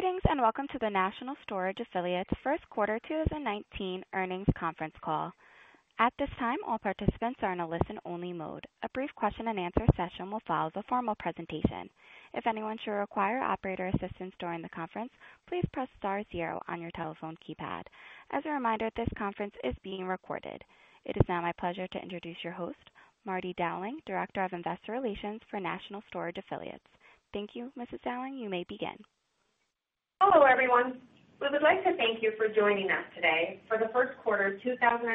Greetings, and welcome to the National Storage Affiliates first quarter 2019 earnings conference call. At this time, all participants are in a listen-only mode. A brief question and answer session will follow the formal presentation. If anyone should require operator assistance during the conference, please press star zero on your telephone keypad. As a reminder, this conference is being recorded. It is now my pleasure to introduce your host, Marti Dowling, Director of Investor Relations for National Storage Affiliates. Thank you, Mrs. Dowling. You may begin. Hello, everyone. We would like to thank you for joining us today for the first quarter 2019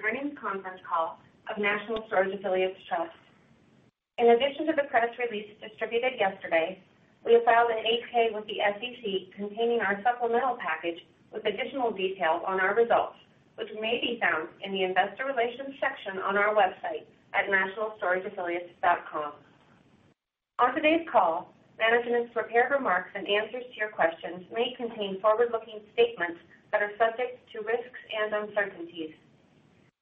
earnings conference call of National Storage Affiliates Trust. In addition to the press release distributed yesterday, we have filed an 8-K with the SEC containing our supplemental package with additional details on our results, which may be found in the investor relations section on our website at nationalstorageaffiliates.com. On today's call, management's prepared remarks and answers to your questions may contain forward-looking statements that are subject to risks and uncertainties.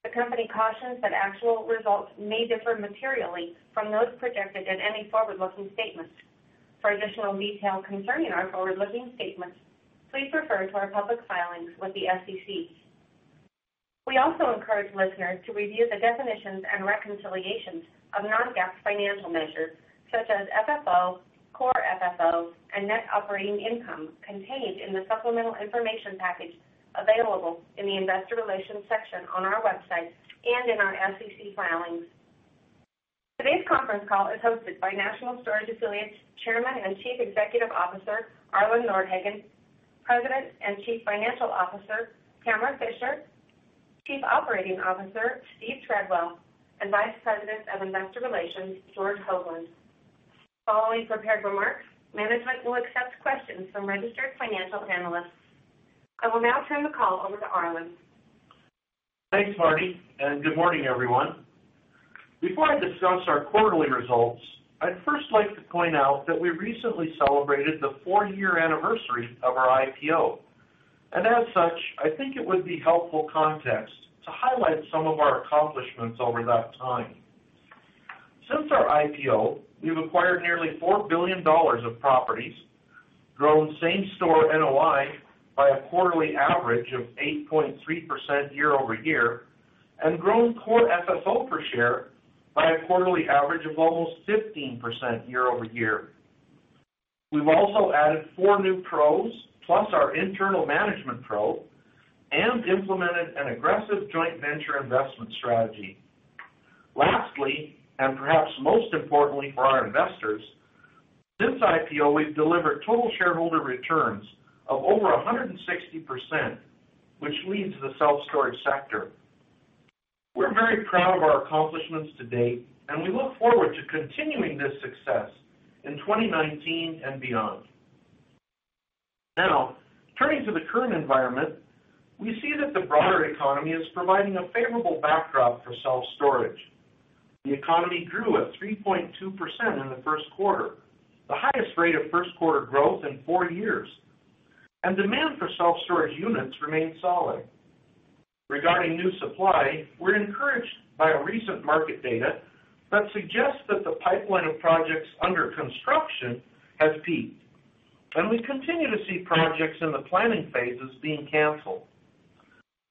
The company cautions that actual results may differ materially from those projected in any forward-looking statements. For additional detail concerning our forward-looking statements, please refer to our public filings with the SEC. We also encourage listeners to review the definitions and reconciliations of non-GAAP financial measures such as FFO, core FFO, and net operating income contained in the supplemental information package available in the investor relations section on our website and in our SEC filings. Today's conference call is hosted by National Storage Affiliates Chairman and Chief Executive Officer, Arlen Nordhagen; President and Chief Financial Officer, Tamara Fischer; Chief Operating Officer, Steven Treadwell, and Vice President of Investor Relations, George Hoglund. Following prepared remarks, management will accept questions from registered financial analysts. I will now turn the call over to Arlen. Thanks, Marti, and good morning, everyone. Before I discuss our quarterly results, I would first like to point out that we recently celebrated the four-year anniversary of our IPO, and as such, I think it would be helpful context to highlight some of our accomplishments over that time. Since our IPO, we have acquired nearly $4 billion of properties, grown same-store NOI by a quarterly average of 8.3% year-over-year, and grown core FFO per share by a quarterly average of almost 15% year-over-year. We have also added four new PROs, plus our internal management PRO, and implemented an aggressive joint venture investment strategy. Lastly, and perhaps most importantly for our investors, since IPO, we have delivered total shareholder returns of over 160%, which leads the self-storage sector. We are very proud of our accomplishments to date, and we look forward to continuing this success in 2019 and beyond. Turning to the current environment, we see that the broader economy is providing a favorable backdrop for self-storage. The economy grew at 3.2% in the first quarter, the highest rate of first quarter growth in four years, and demand for self-storage units remained solid. Regarding new supply, we're encouraged by recent market data that suggests that the pipeline of projects under construction has peaked, and we continue to see projects in the planning phases being canceled.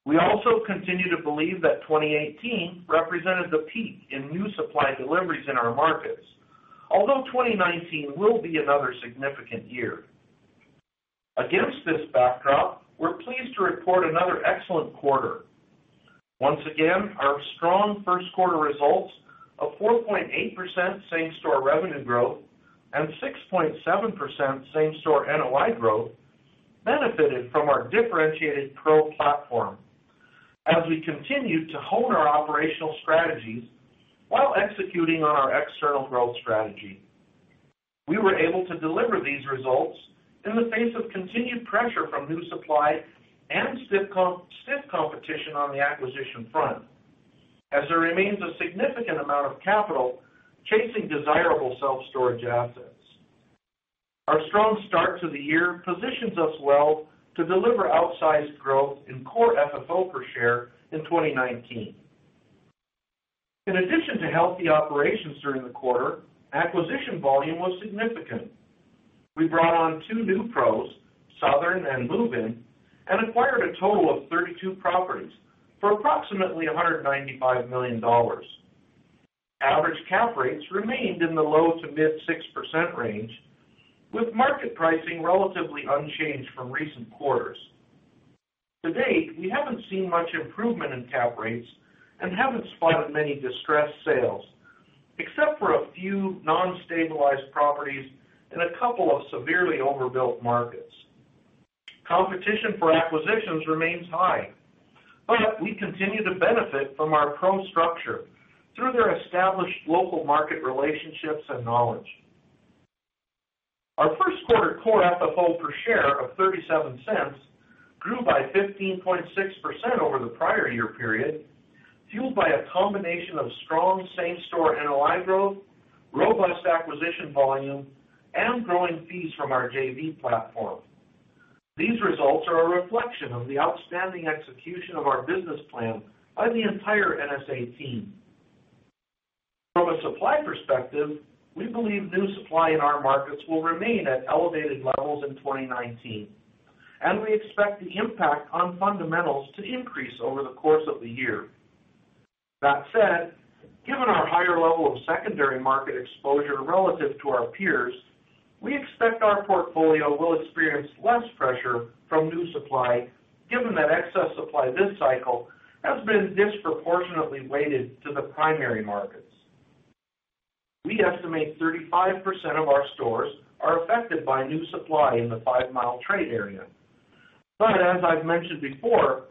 We also continue to believe that 2018 represented the peak in new supply deliveries in our markets, although 2019 will be another significant year. Against this backdrop, we're pleased to report another excellent quarter. Once again, our strong first quarter results of 4.8% same-store revenue growth and 6.7% same-store NOI growth benefited from our differentiated PRO platform as we continued to hone our operational strategies while executing on our external growth strategy. We were able to deliver these results in the face of continued pressure from new supply and stiff competition on the acquisition front, as there remains a significant amount of capital chasing desirable self-storage assets. Our strong start to the year positions us well to deliver outsized growth in core FFO per share in 2019. In addition to healthy operations during the quarter, acquisition volume was significant. We brought on two new PROs, Southern and Moove In, and acquired a total of 32 properties for approximately $195 million. Average cap rates remained in the low to mid 6% range, with market pricing relatively unchanged from recent quarters. To date, we haven't seen much improvement in cap rates and haven't spotted many distressed sales, except for a few non-stabilized properties in a couple of severely overbuilt markets. Competition for acquisitions remains high, we continue to benefit from our PRO structure through their established local market relationships and knowledge. Our first quarter core FFO per share of $0.37 grew by 15.6% over the prior year period, fueled by a combination of strong same-store NOI growth, robust acquisition volume, and growing fees from our JV platform. These results are a reflection of the outstanding execution of our business plan by the entire NSA team. From a supply perspective, we believe new supply in our markets will remain at elevated levels in 2019, and we expect the impact on fundamentals to increase over the course of the year. That said, given our higher level of secondary market exposure relative to our peers, we expect our portfolio will experience less pressure from new supply, given that excess supply this cycle has been disproportionately weighted to the primary markets. We estimate 35% of our stores are affected by new supply in the five-mile trade area. As I've mentioned before,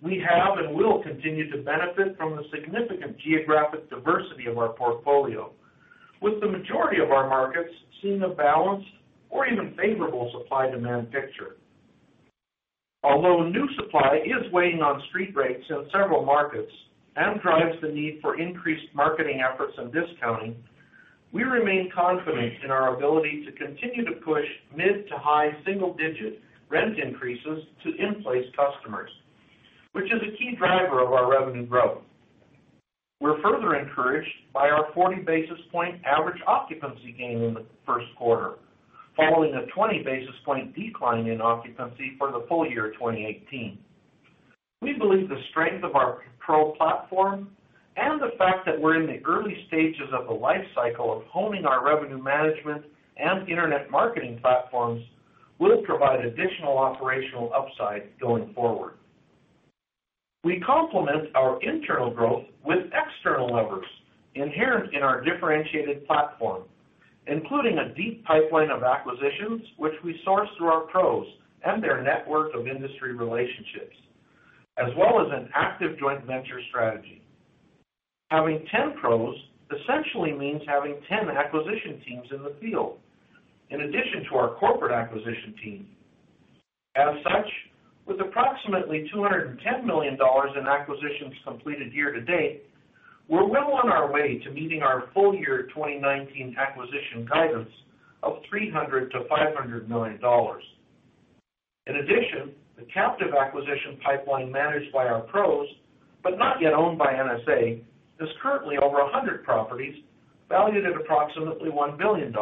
we have and will continue to benefit from the significant geographic diversity of our portfolio, with the majority of our markets seeing a balanced or even favorable supply-demand picture. Although new supply is weighing on street rates in several markets and drives the need for increased marketing efforts and discounting, we remain confident in our ability to continue to push mid to high single-digit rent increases to in-place customers, which is a key driver of our revenue growth. We're further encouraged by our 40 basis point average occupancy gain in the first quarter, following a 20 basis point decline in occupancy for the full year 2018. We believe the strength of our PRO platform and the fact that we're in the early stages of the life cycle of honing our revenue management and internet marketing platforms will provide additional operational upside going forward. We complement our internal growth with external levers inherent in our differentiated platform, including a deep pipeline of acquisitions, which we source through our PROs and their network of industry relationships, as well as an active joint venture strategy. Having 10 PROs essentially means having 10 acquisition teams in the field, in addition to our corporate acquisition team. As such, with approximately $210 million in acquisitions completed year to date, we're well on our way to meeting our full year 2019 acquisition guidance of $300 million-$500 million. In addition, the captive acquisition pipeline managed by our PROs, but not yet owned by NSA, is currently over 100 properties valued at approximately $1 billion.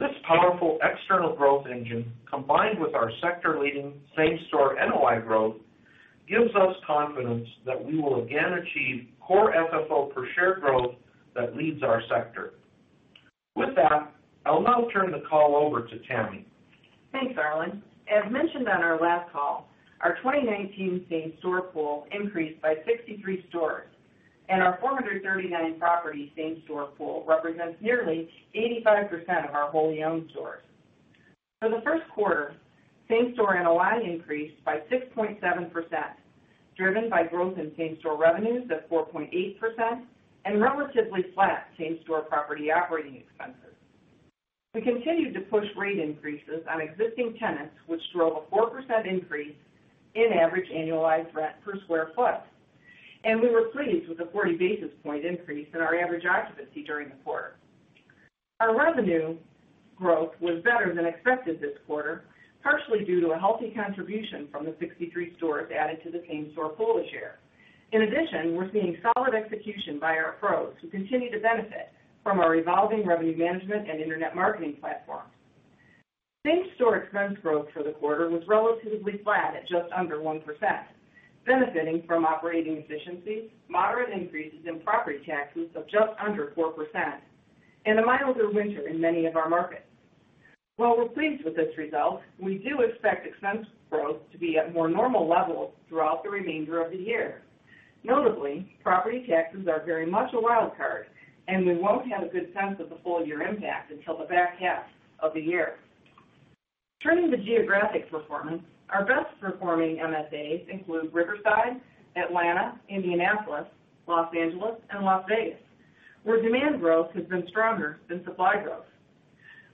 This powerful external growth engine, combined with our sector-leading same-store NOI growth, gives us confidence that we will again achieve core FFO per share growth that leads our sector. With that, I'll now turn the call over to Tammy. Thanks, Arlen. As mentioned on our last call, our 2019 same-store pool increased by 63 stores, and our 439 property same-store pool represents nearly 85% of our wholly owned stores. For the first quarter, same-store NOI increased by 6.7%, driven by growth in same-store revenues of 4.8% and relatively flat same-store property operating expenses. We continued to push rate increases on existing tenants, which drove a 4% increase in average annualized rent per square foot, and we were pleased with the 40 basis point increase in our average occupancy during the quarter. Our revenue growth was better than expected this quarter, partially due to a healthy contribution from the 63 stores added to the same-store pool this year. In addition, we're seeing solid execution by our PROs, who continue to benefit from our evolving revenue management and internet marketing platform. Same-store expense growth for the quarter was relatively flat at just under 1%, benefiting from operating efficiencies, moderate increases in property taxes of just under 4%, and a milder winter in many of our markets. While we're pleased with this result, we do expect expense growth to be at more normal levels throughout the remainder of the year. Notably, property taxes are very much a wild card, and we won't have a good sense of the full-year impact until the back half of the year. Turning to geographic performance, our best performing MSAs include Riverside, Atlanta, Indianapolis, Los Angeles, and Las Vegas, where demand growth has been stronger than supply growth.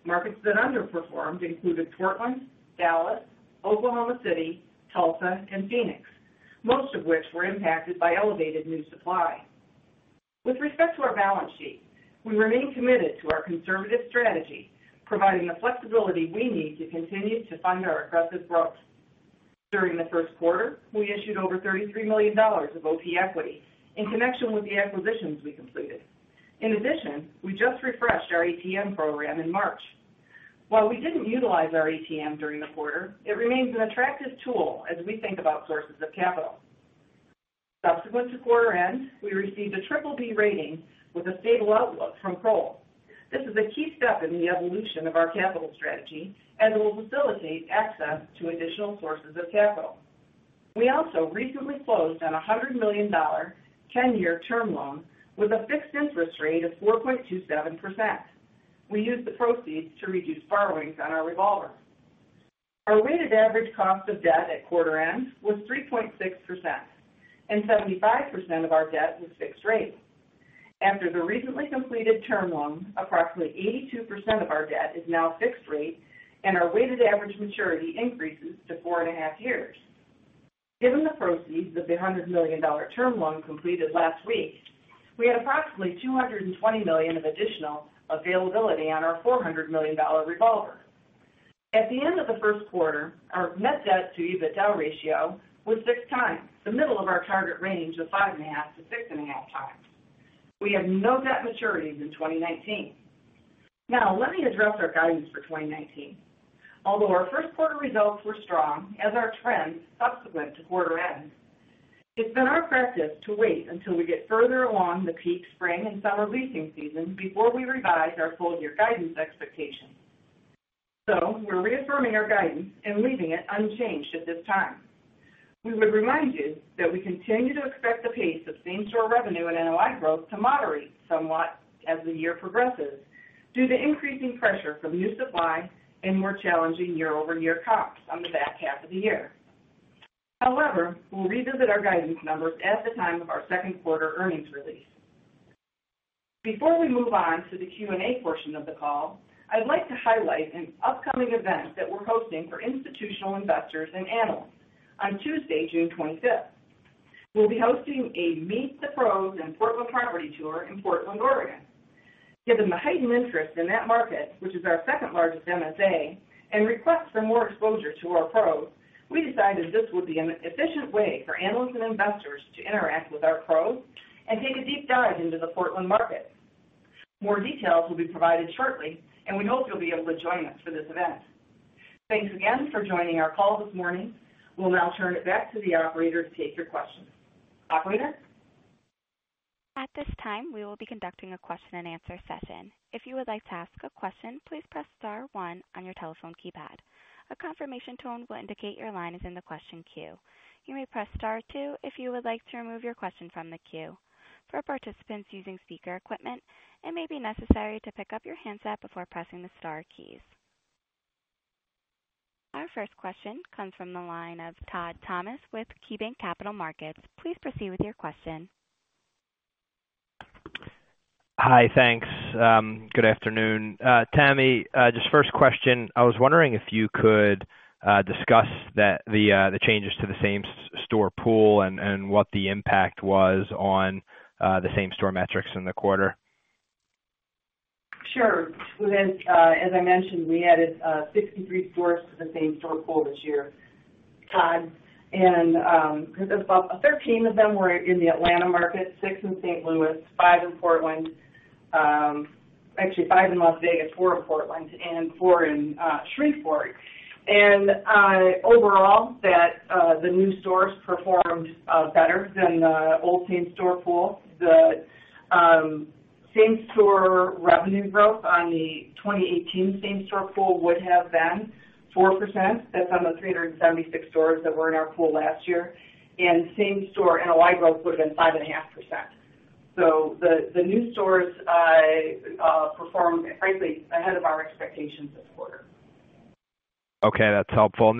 Markets that underperformed included Portland, Dallas, Oklahoma City, Tulsa, and Phoenix, most of which were impacted by elevated new supply. With respect to our balance sheet, we remain committed to our conservative strategy, providing the flexibility we need to continue to fund our aggressive growth. During the first quarter, we issued over $33 million of OP equity in connection with the acquisitions we completed. In addition, we just refreshed our ATM program in March. While we didn't utilize our ATM during the quarter, it remains an attractive tool as we think about sources of capital. Subsequent to quarter end, we received a BBB rating with a stable outlook from Kroll. This is a key step in the evolution of our capital strategy and will facilitate access to additional sources of capital. We also recently closed on a $100 million 10-year term loan with a fixed interest rate of 4.27%. We used the proceeds to reduce borrowings on our revolver. Our weighted average cost of debt at quarter end was 3.6%, and 75% of our debt was fixed rate. After the recently completed term loan, approximately 82% of our debt is now fixed rate, and our weighted average maturity increases to four and a half years. Given the proceeds of the $100 million term loan completed last week, we have approximately $220 million of additional availability on our $400 million revolver. At the end of the first quarter, our net debt to EBITDA ratio was six times, the middle of our target range of five and a half to six and a half times. We have no debt maturities in 2019. Now, let me address our guidance for 2019. Although our first quarter results were strong, as are trends subsequent to quarter end, it's been our practice to wait until we get further along the peak spring and summer leasing season before we revise our full-year guidance expectations. We're reaffirming our guidance and leaving it unchanged at this time. We would remind you that we continue to expect the pace of same-store revenue and NOI growth to moderate somewhat as the year progresses due to increasing pressure from new supply and more challenging year-over-year comps on the back half of the year. However, we'll revisit our guidance numbers at the time of our second quarter earnings release. Before we move on to the Q&A portion of the call, I'd like to highlight an upcoming event that we're hosting for institutional investors and analysts on Tuesday, June 25th. We'll be hosting a Meet the Pros and Portland Property Tour in Portland, Oregon. Given the heightened interest in that market, which is our second largest MSA, and requests for more exposure to our PROs, we decided this would be an efficient way for analysts and investors to interact with our PROs and take a deep dive into the Portland market. More details will be provided shortly, and we hope you'll be able to join us for this event. Thanks again for joining our call this morning. We'll now turn it back to the operator to take your questions. Operator? At this time, we will be conducting a question and answer session. If you would like to ask a question, please press star one on your telephone keypad. A confirmation tone will indicate your line is in the question queue. You may press star two if you would like to remove your question from the queue. For participants using speaker equipment, it may be necessary to pick up your handset before pressing the star keys. Our first question comes from the line of Todd Thomas with KeyBanc Capital Markets. Please proceed with your question. Hi, thanks. Good afternoon. Tammy, just first question, I was wondering if you could discuss the changes to the same-store pool and what the impact was on the same-store metrics in the quarter. Sure. As I mentioned, we added 63 stores to the same-store pool this year, Todd. 13 of them were in the Atlanta market, six in St. Louis, five in Portland—actually five in Las Vegas, four in Portland, and four in Shreveport. Overall, the new stores performed better than the old same-store pool. The same-store revenue growth on the 2018 same-store pool would have been 4%. That's on the 376 stores that were in our pool last year. Same-store NOI growth would have been 5.5%. The new stores performed, frankly, ahead of our expectations this quarter. Okay, that's helpful.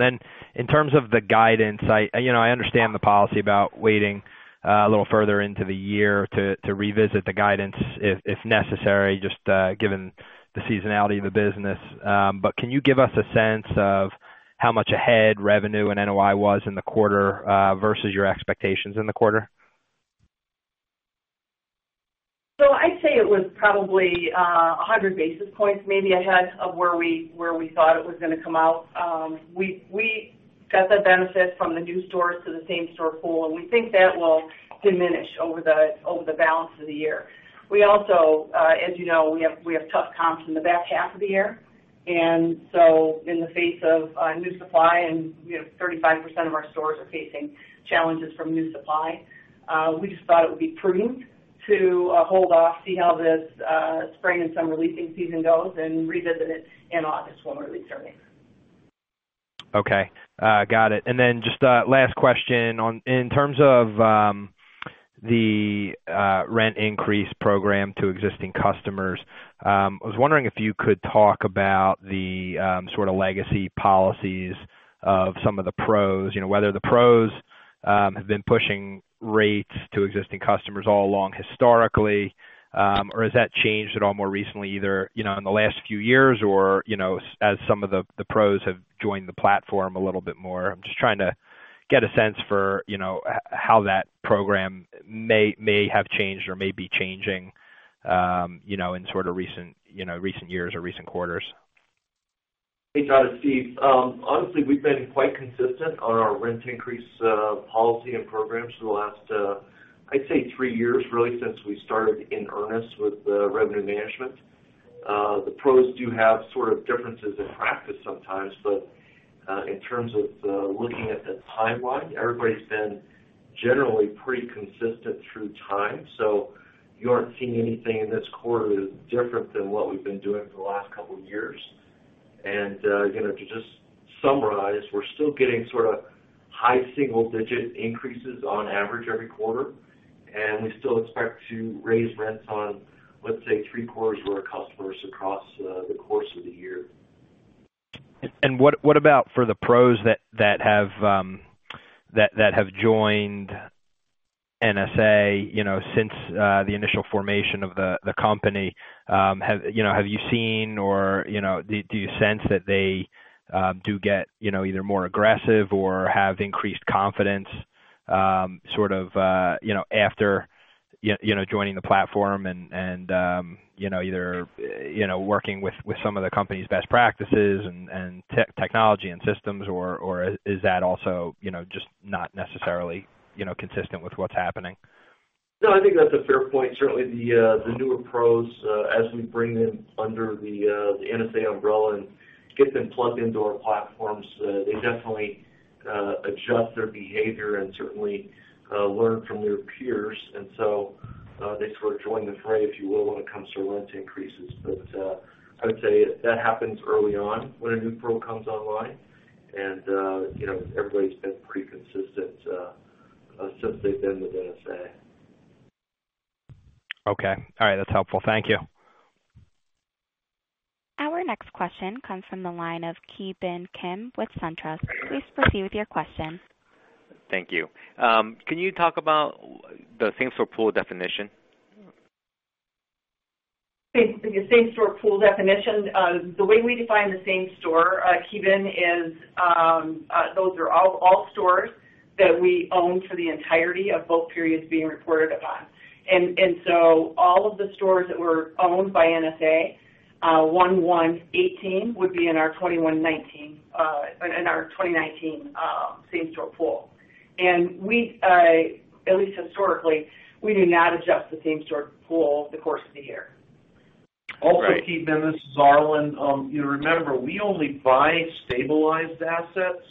In terms of the guidance, I understand the policy about waiting a little further into the year to revisit the guidance if necessary, just given the seasonality of the business. Can you give us a sense of how much ahead revenue and NOI was in the quarter versus your expectations in the quarter? I'd say it was probably 100 basis points maybe ahead of where we thought it was going to come out. We got the benefit from the new stores to the same-store pool, and we think that will diminish over the balance of the year. We also, as you know, we have tough comps in the back half of the year, and in the face of new supply and 35% of our stores are facing challenges from new supply, we just thought it would be prudent to hold off, see how this spring and summer leasing season goes, and revisit it in August when we release earnings. Okay. Got it. Just last question. In terms of the rent increase program to existing customers, I was wondering if you could talk about the sort of legacy policies of some of the PROs, whether the PROs have been pushing rates to existing customers all along historically, or has that changed at all more recently, either in the last few years or as some of the PROs have joined the platform a little bit more? I'm just trying to get a sense for how that program may have changed or may be changing in recent years or recent quarters. Hey, Todd, it's Steve. Honestly, we've been quite consistent on our rent increase policy and programs for the last, I'd say three years, really, since we started in earnest with revenue management. The PROs do have sort of differences in practice sometimes, but in terms of looking at the timeline, everybody's been generally pretty consistent through time. You aren't seeing anything in this quarter that is different than what we've been doing for the last couple of years. To just summarize, we're still getting sort of high single digit increases on average every quarter, and we still expect to raise rents on, let's say, three-quarters of our customers across the course of the year. What about for the PROs that have joined NSA since the initial formation of the company? Have you seen or do you sense that they do get either more aggressive or have increased confidence sort of after joining the platform and either working with some of the company's best practices and technology and systems, or is that also just not necessarily consistent with what's happening? I think that's a fair point. Certainly, the newer PROs, as we bring them under the NSA umbrella and get them plugged into our platforms, they definitely adjust their behavior and certainly learn from their peers. They sort of join the fray, if you will, when it comes to rent increases. I would say that happens early on when a new PRO comes online and everybody's been pretty consistent since they've been with NSA. Okay. All right. That's helpful. Thank you. Our next question comes from the line of Ki Bin Kim with SunTrust. Please proceed with your question. Thank you. Can you talk about the same-store pool definition? Same-store pool definition. The way we define the same store, Ki Bin, is those are all stores that we own for the entirety of both periods being reported upon. All of the stores that were owned by NSA, 1/1/2018, would be in our 2019 same-store pool. At least historically, we do not adjust the same-store pool over the course of the year. Also, Ki Bin, this is Arlen. Remember, we only buy stabilized assets,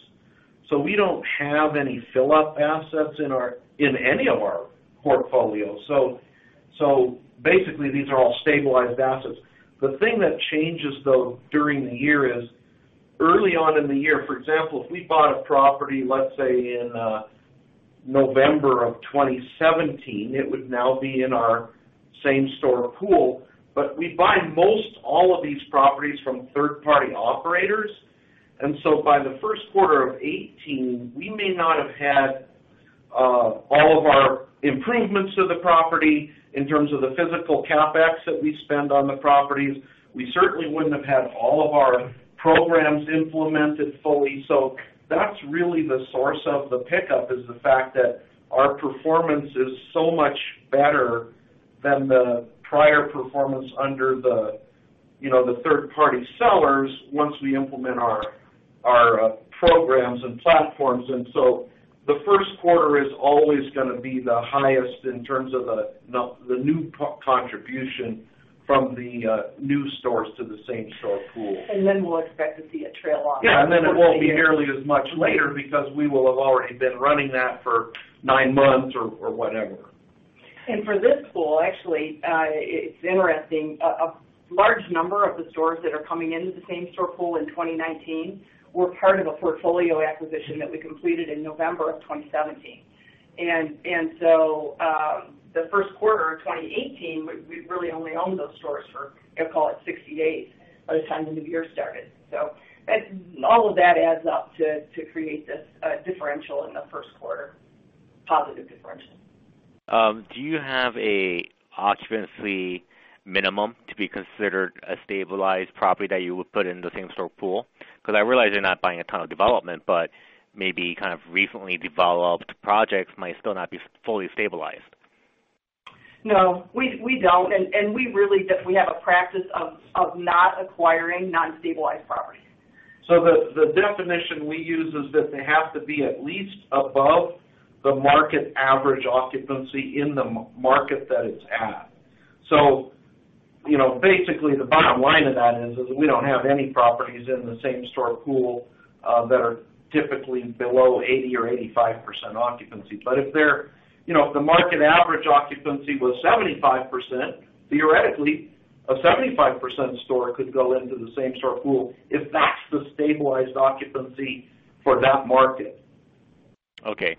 so we don't have any fill-up assets in any of our portfolios. Basically, these are all stabilized assets. The thing that changes, though, during the year is early on in the year, for example, if we bought a property, let's say in November of 2017, it would now be in our same-store pool. We buy most all of these properties from third-party operators, by the first quarter of 2018, we may not have had all of our improvements to the property in terms of the physical CapEx that we spend on the properties. We certainly wouldn't have had all of our programs implemented fully. That's really the source of the pickup, is the fact that our performance is so much better than the prior performance under the third-party sellers once we implement our programs and platforms. The first quarter is always going to be the highest in terms of the new contribution from the new stores to the same-store pool. We'll expect to see a trail off. Yeah, it won't be nearly as much later because we will have already been running that for nine months or whatever. For this pool, actually, it's interesting. A large number of the stores that are coming into the same-store pool in 2019 were part of a portfolio acquisition that we completed in November of 2017. The first quarter of 2018, we really only owned those stores for, call it 60 days by the time the new year started. All of that adds up to create this differential in the first quarter, positive differential. Do you have a occupancy minimum to be considered a stabilized property that you would put in the same-store pool? I realize you're not buying a ton of development, but maybe kind of recently developed projects might still not be fully stabilized. No, we don't. We have a practice of not acquiring non-stabilized properties. The definition we use is that they have to be at least above the market average occupancy in the market that it's at. Basically, the bottom line of that is, we don't have any properties in the same-store pool that are typically below 80% or 85% occupancy. If the market average occupancy was 75%, theoretically, a 75% store could go into the same-store pool if that's the stabilized occupancy for that market. Okay.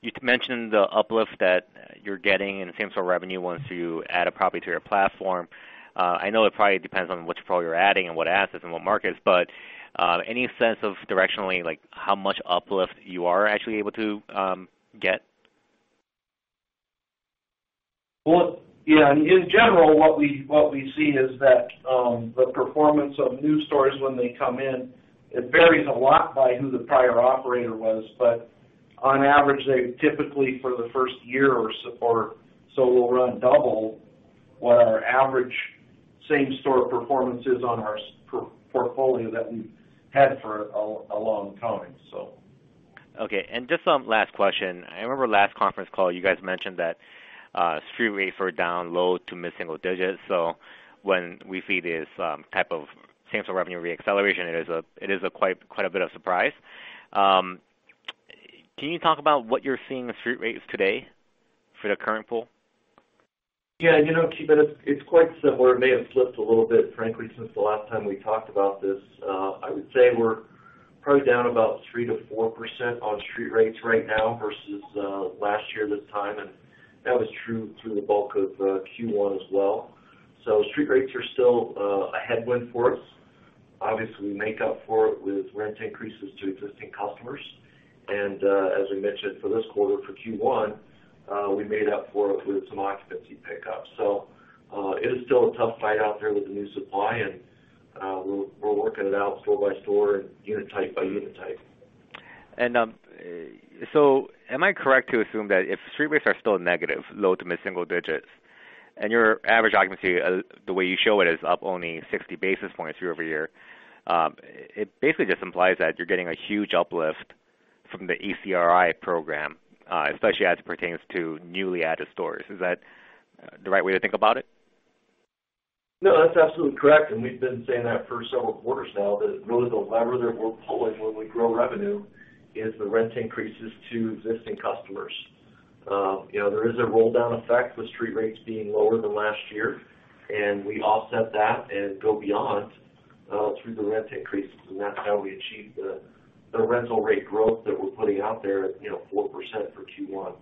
You mentioned the uplift that you're getting in same-store revenue once you add a property to your platform. I know it probably depends on which property you're adding and what assets and what markets, any sense of directionally how much uplift you are actually able to get? Well, yeah, in general, what we see is that the performance of new stores when they come in, it varies a lot by who the prior operator was. On average, they typically for the first year or so will run double what our average same-store performance is on our portfolio that we've had for a long time. Okay. Just last question. I remember last conference call, you guys mentioned that street rates were down low- to mid-single digits. When we see this type of same-store revenue re-acceleration, it is quite a bit of surprise. Can you talk about what you're seeing with street rates today for the current pool? Yeah. Ki Bin, it's quite similar. It may have flipped a little bit, frankly, since the last time we talked about this. I would say we're probably down about 3%-4% on street rates right now versus last year this time, and that was true through the bulk of Q1 as well. Street rates are still a headwind for us. Obviously, we make up for it with rent increases to existing customers. As we mentioned for this quarter, for Q1, we made up for it with some occupancy pickups. It is still a tough fight out there with the new supply and We're working it out store by store and unit type by unit type. Am I correct to assume that if street rates are still negative, low to mid-single digits, and your average occupancy, the way you show it, is up only 60 basis points year-over-year, it basically just implies that you're getting a huge uplift from the ECRI program, especially as it pertains to newly added stores? Is that the right way to think about it? No, that's absolutely correct. We've been saying that for several quarters now, that really the lever that we're pulling when we grow revenue is the rent increases to existing customers. There is a roll-down effect with street rates being lower than last year. We offset that and go beyond through the rent increases. That's how we achieve the rental rate growth that we're putting out there at 4% for Q1.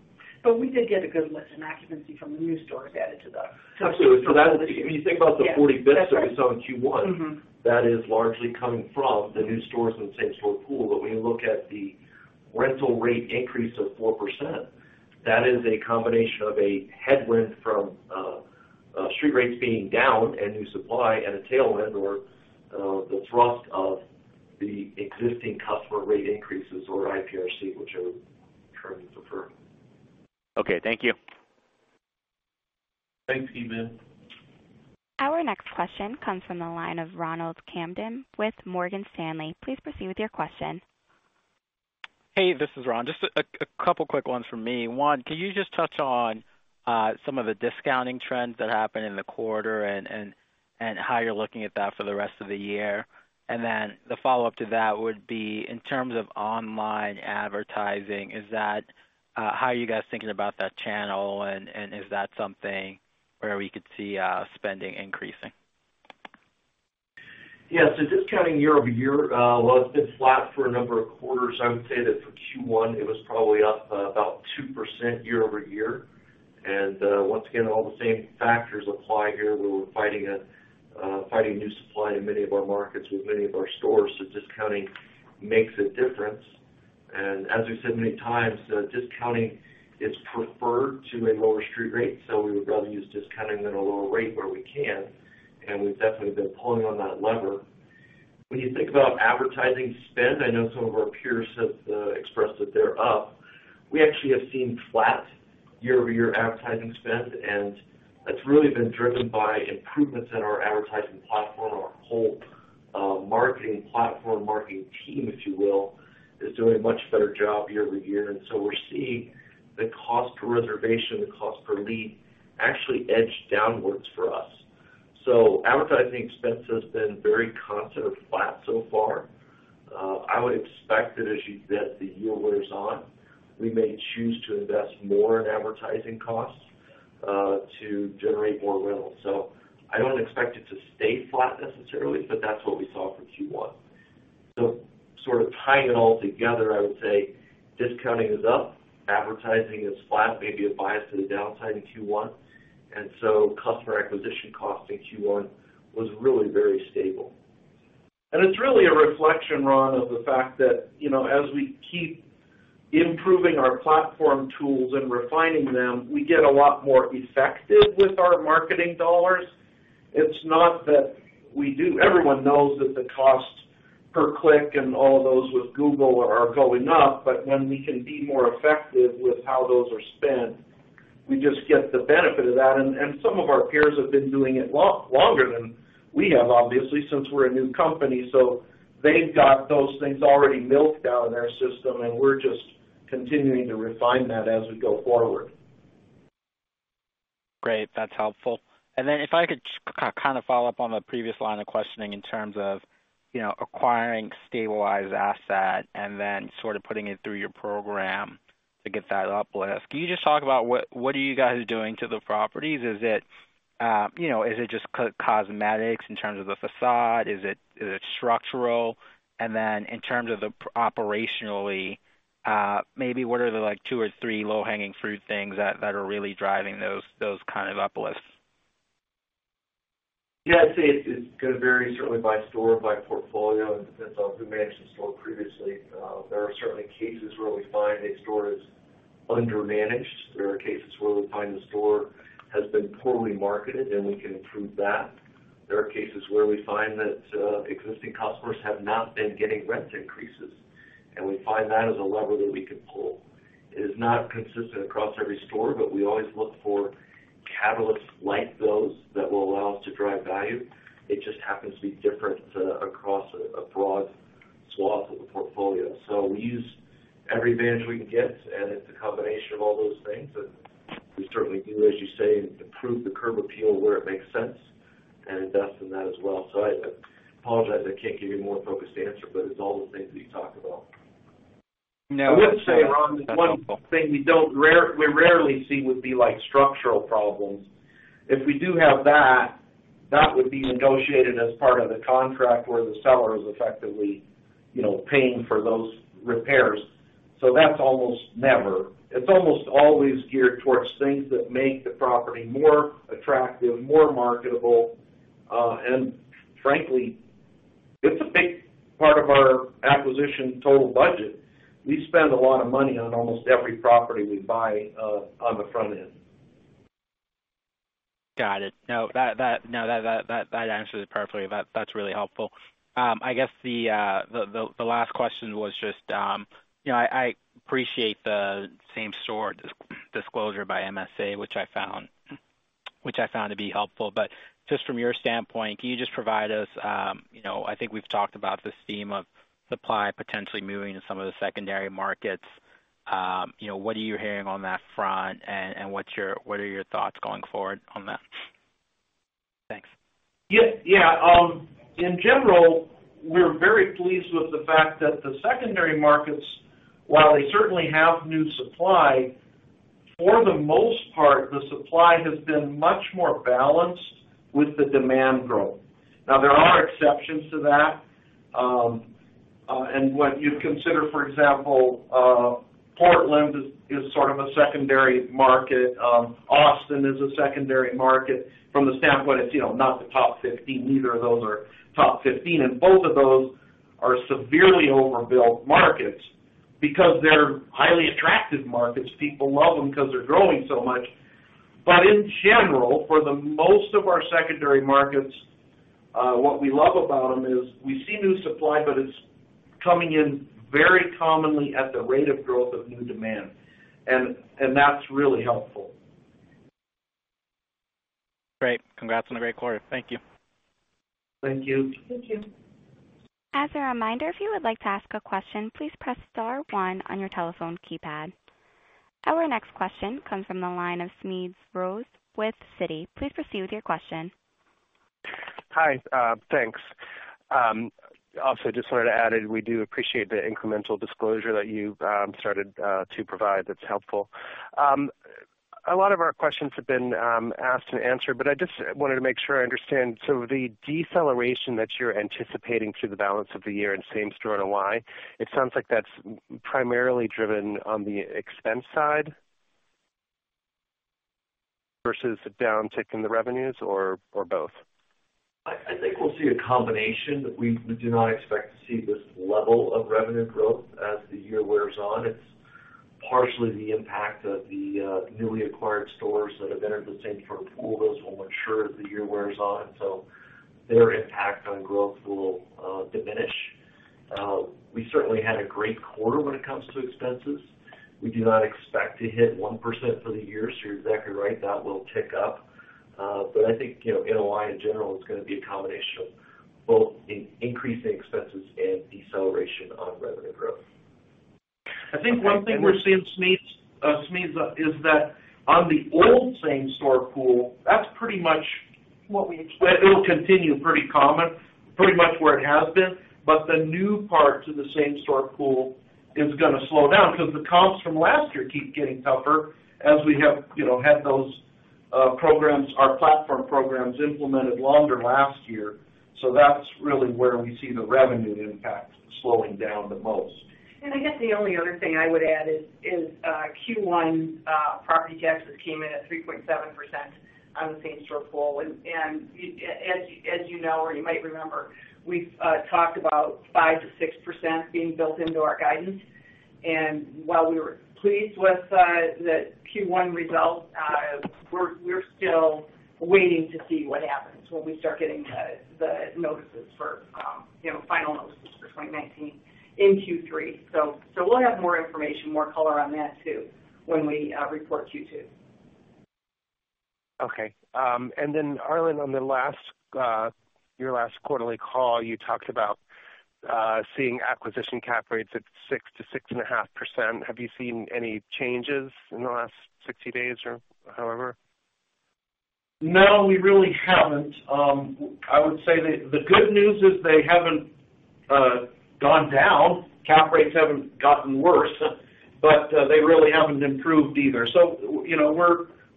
We did get a good lift in occupancy from the new stores added to. Absolutely. Yeah. That's right. If you think about the 40 basis that we saw in Q1. that is largely coming from the new stores and same-store pool. When you look at the rental rate increase of 4%, that is a combination of a headwind from street rates being down and new supply and a tailwind, or the thrust of the existing customer rate increases or ECRI, whichever term you prefer. Okay, thank you. Thanks, Ki Bin. Our next question comes from the line of Ronald Kamdem with Morgan Stanley. Please proceed with your question. Hey, this is Ron. Just a couple quick ones from me. One, can you just touch on some of the discounting trends that happened in the quarter and how you're looking at that for the rest of the year? The follow-up to that would be, in terms of online advertising, how are you guys thinking about that channel, and is that something where we could see spending increasing? Yeah. Discounting year-over-year, well, it's been flat for a number of quarters. I would say that for Q1, it was probably up about 2% year-over-year. Once again, all the same factors apply here. We were fighting new supply in many of our markets with many of our stores. Discounting makes a difference. As we've said many times, discounting is preferred to a lower street rate. We would rather use discounting than a lower rate where we can, and we've definitely been pulling on that lever. When you think about advertising spend, I know some of our peers have expressed that they're up. We actually have seen flat year-over-year advertising spend, and that's really been driven by improvements in our advertising platform and our whole marketing platform. Marketing team, if you will, is doing a much better job year-over-year. We're seeing the cost per reservation, the cost per lead actually edge downwards for us. Advertising expense has been very constant or flat so far. I would expect that as you get the year wears on, we may choose to invest more in advertising costs to generate more rentals. I don't expect it to stay flat necessarily, but that's what we saw for Q1. Sort of tying it all together, I would say discounting is up, advertising is flat, maybe a bias to the downside in Q1. Customer acquisition cost in Q1 was really very stable. It's really a reflection, Ron, of the fact that as we keep improving our platform tools and refining them, we get a lot more effective with our marketing dollars. Everyone knows that the cost per click and all of those with Google are going up, when we can be more effective with how those are spent, we just get the benefit of that. Some of our peers have been doing it longer than we have, obviously, since we're a new company. They've got those things already milked out in their system, and we're just continuing to refine that as we go forward. Great. That's helpful. If I could kind of follow up on the previous line of questioning in terms of acquiring stabilized asset and then sort of putting it through your program to get that uplift. Can you just talk about what are you guys doing to the properties? Is it just cosmetics in terms of the facade? Is it structural? In terms of the operationally, maybe what are the two or three low-hanging fruit things that are really driving those kind of uplifts? Yeah, I'd say it's going to vary certainly by store, by portfolio. It depends on who managed the store previously. There are certainly cases where we find a store is undermanaged. There are cases where we find the store has been poorly marketed, and we can improve that. There are cases where we find that existing customers have not been getting rent increases, and we find that as a lever that we can pull. It is not consistent across every store, but we always look for catalysts like those that will allow us to drive value. It just happens to be different across a broad swath of the portfolio. We use every advantage we can get, and it's a combination of all those things. We certainly do, as you say, improve the curb appeal where it makes sense and invest in that as well. I apologize I can't give you a more focused answer, but it's all the things that you talked about. No. I would say, Ron- That's helpful One thing we rarely see would be structural problems. If we do have that would be negotiated as part of the contract where the seller is effectively paying for those repairs. That's almost never. It's almost always geared towards things that make the property more attractive, more marketable. Frankly, it's a big part of our acquisition total budget. We spend a lot of money on almost every property we buy on the front end. Got it. That answers it perfectly. That's really helpful. I guess the last question was just, I appreciate the same-store disclosure by MSA, which I found to be helpful. Just from your standpoint, can you just provide us, I think we've talked about this theme of supply potentially moving to some of the secondary markets. What are you hearing on that front, and what are your thoughts going forward on that? Thanks. In general, we're very pleased with the fact that the secondary markets, while they certainly have new supply, for the most part, the supply has been much more balanced with the demand growth. Now, there are exceptions to that. What you'd consider, for example, Portland is sort of a secondary market. Austin is a secondary market from the standpoint it's not the top 15, neither of those are top 15, and both of those are severely overbuilt markets because they're highly attractive markets. People love them because they're growing so much. In general, for the most of our secondary markets, what we love about them is we see new supply, but it's coming in very commonly at the rate of growth of new demand, and that's really helpful. Great. Congrats on a great quarter. Thank you. Thank you. Thank you. As a reminder, if you would like to ask a question, please press star one on your telephone keypad. Our next question comes from the line of Smedes Rose with Citi. Please proceed with your question. Hi. Thanks. Also just wanted to add in, we do appreciate the incremental disclosure that you've started to provide. That's helpful. A lot of our questions have been asked and answered, but I just wanted to make sure I understand. The deceleration that you're anticipating through the balance of the year in same-store NOI, it sounds like that's primarily driven on the expense side versus a downtick in the revenues or both. I think we'll see a combination. We do not expect to see this level of revenue growth as the year wears on. It's partially the impact of the newly acquired stores that have entered the same-store pool. Those will mature as the year wears on, so their impact on growth will diminish. We certainly had a great quarter when it comes to expenses. We do not expect to hit 1% for the year, so you're exactly right, that will tick up. I think, NOI in general is going to be a combination of both increasing expenses and deceleration on revenue growth. I think one thing we're seeing, Smedes, is that on the old same-store pool, that's pretty much. What we expect. it'll continue pretty common, pretty much where it has been. The new part to the same-store pool is going to slow down because the comps from last year keep getting tougher as we have had those programs, our platform programs, implemented longer last year. That's really where we see the revenue impact slowing down the most. I guess the only other thing I would add is Q1 property taxes came in at 3.7% on the same-store pool. As you know or you might remember, we've talked about 5%-6% being built into our guidance. While we were pleased with the Q1 results, we're still waiting to see what happens when we start getting the final notices for 2019 in Q3. We'll have more information, more color on that too when we report Q2. Okay. Arlen, on your last quarterly call, you talked about seeing acquisition Cap rates at 6%-6.5%. Have you seen any changes in the last 60 days or however? No, we really haven't. I would say the good news is they haven't gone down. Cap rates haven't gotten worse, they really haven't improved either.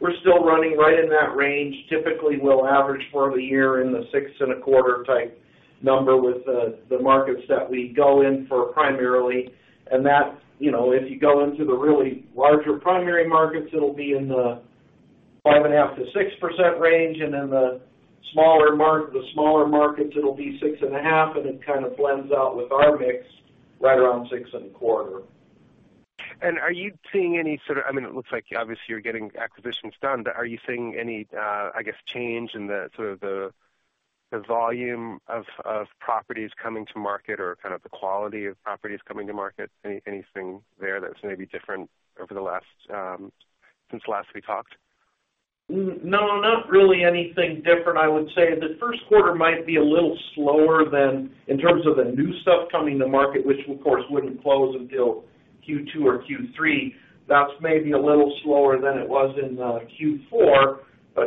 We're still running right in that range. Typically, we'll average for the year in the 6.25 type number with the markets that we go in for primarily. If you go into the really larger primary markets, it'll be in the 5.5%-6% range, the smaller markets, it'll be 6.5, and it kind of blends out with our mix right around 6.25. Are you seeing any sort of It looks like obviously you're getting acquisitions done, but are you seeing any, I guess, change in the volume of properties coming to market or kind of the quality of properties coming to market? Anything there that's maybe different since last we talked? No, not really anything different. I would say the first quarter might be a little slower than in terms of the new stuff coming to market, which of course wouldn't close until Q2 or Q3. That's maybe a little slower than it was in Q4.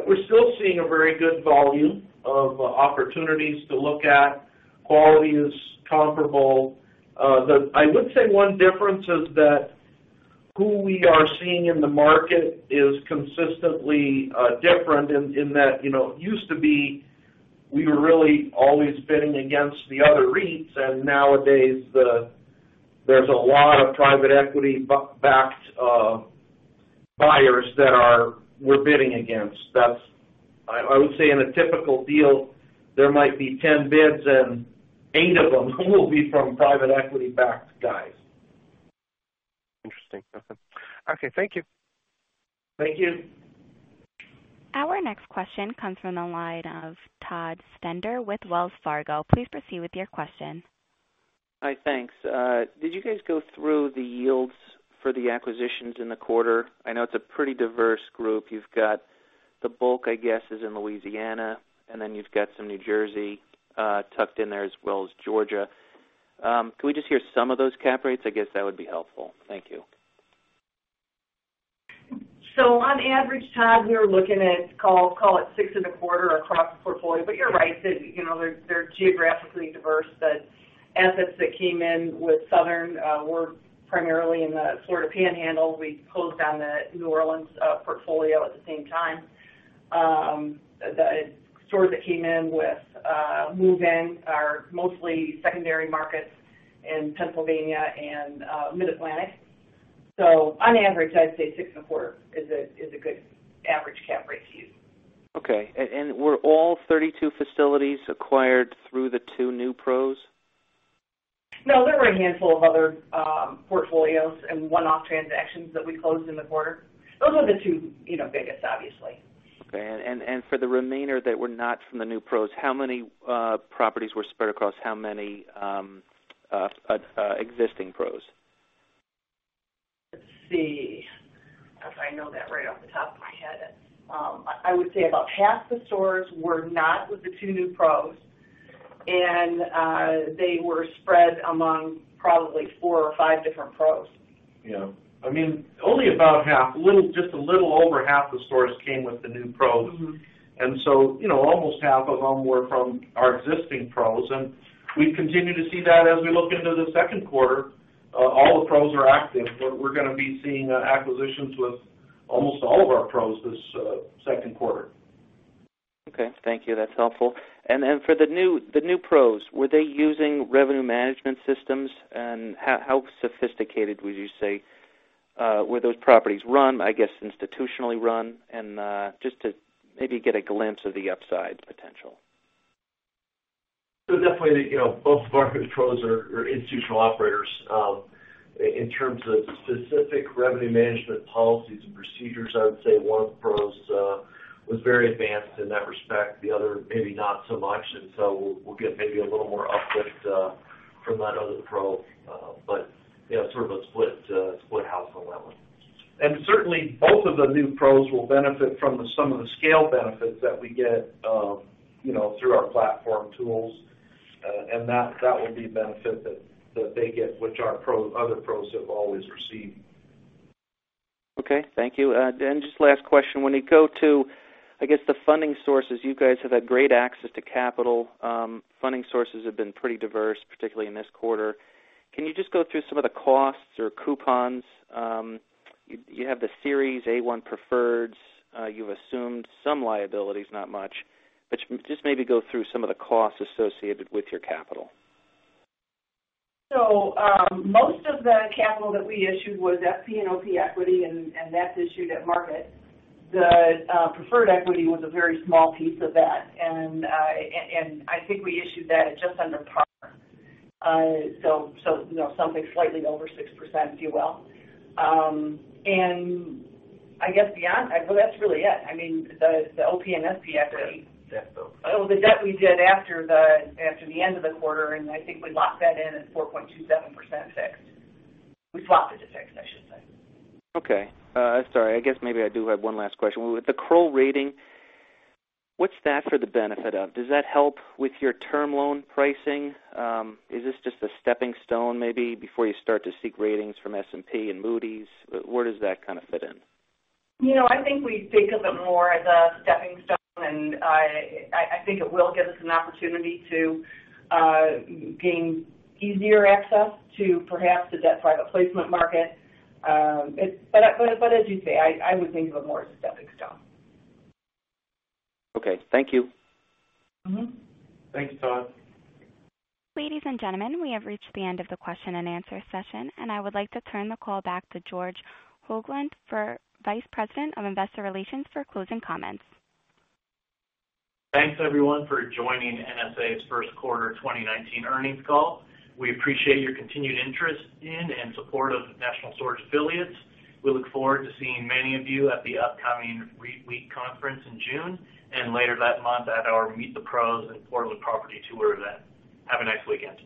We're still seeing a very good volume of opportunities to look at. Quality is comparable. I would say one difference is that who we are seeing in the market is consistently different in that it used to be we were really always bidding against the other REITs. Nowadays there's a lot of private equity-backed buyers that we're bidding against. I would say in a typical deal, there might be 10 bids and eight of them will be from private equity-backed guys. Interesting. Okay. Thank you. Thank you. Our next question comes from the line of Todd Stender with Wells Fargo. Please proceed with your question. Hi. Thanks. Did you guys go through the yields for the acquisitions in the quarter? I know it's a pretty diverse group. You've got the bulk, I guess, is in Louisiana, and then you've got some New Jersey tucked in there, as well as Georgia. Can we just hear some of those cap rates? I guess that would be helpful. Thank you. On average, Todd, we were looking at, call it six and a quarter across the portfolio. But you're right, they're geographically diverse. The assets that came in with Southern were primarily in the Florida Panhandle. We closed on the New Orleans portfolio at the same time. The stores that came in with Moove In are mostly secondary markets in Pennsylvania and Mid-Atlantic. On average, I'd say six and a quarter is a good average cap rate to use. Okay. Were all 32 facilities acquired through the two new PROs? No, there were a handful of other portfolios and one-off transactions that we closed in the quarter. Those were the two biggest, obviously. Okay. For the remainder that were not from the new PROs, how many properties were spread across how many existing PROs? Let's see. If I know that right off the top of my head. I would say about half the stores were not with the two new PROs, and they were spread among probably four or five different PROs. Yeah. Only about half. Just a little over half the stores came with the new PROs. Almost half of them were from our existing PROs, and we continue to see that as we look into the second quarter. All the PROs are active. We're going to be seeing acquisitions with almost all of our PROs this second quarter. Okay. Thank you. That's helpful. For the new PROs, were they using revenue management systems, and how sophisticated would you say were those properties run? I guess institutionally run, and just to maybe get a glimpse of the upside potential. Definitely, both of our PROs are institutional operators. In terms of specific revenue management policies and procedures, I would say one of the PROs was very advanced in that respect, the other, maybe not so much. We'll get maybe a little more uplift from that other PRO. Sort of a split house on that one. Certainly, both of the new PROs will benefit from some of the scale benefits that we get through our platform tools. That will be a benefit that they get, which our other PROs have always received. Okay. Thank you. Just last question. When you go to, I guess, the funding sources, you guys have had great access to capital. Funding sources have been pretty diverse, particularly in this quarter. Can you just go through some of the costs or coupons? You have the Series A-1 preferreds. You've assumed some liabilities, not much, but just maybe go through some of the costs associated with your capital. Most of the capital that we issued was SP and OP equity, and that's issued at market. The preferred equity was a very small piece of that, and I think we issued that at just under par. Something slightly over 6%, if you will. I guess beyond Well, that's really it. The OP and SP equity- The debt though. The debt we did after the end of the quarter, I think we locked that in at 4.27% fixed. We swapped it to fixed, I should say. Okay. Sorry. I guess maybe I do have one last question. With the Kroll rating, what's that for the benefit of? Does that help with your term loan pricing? Is this just a stepping stone maybe before you start to seek ratings from S&P and Moody's? Where does that kind of fit in? I think we think of it more as a stepping stone, and I think it will give us an opportunity to gain easier access to perhaps the debt private placement market. As you say, I would think of it more as a stepping stone. Okay. Thank you. Thanks, Todd. Ladies and gentlemen, we have reached the end of the question and answer session. I would like to turn the call back to George Hoglund, Vice President of Investor Relations for closing comments. Thanks everyone for joining NSA's first quarter 2019 earnings call. We appreciate your continued interest in and support of National Storage Affiliates. We look forward to seeing many of you at the upcoming REITWeek conference in June and later that month at our Meet the PROs and Portland Property Tour event. Have a nice weekend.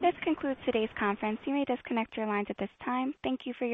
This concludes today's conference. You may disconnect your lines at this time. Thank you for your participation.